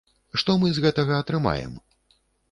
Што мы з гэтага атрымаем?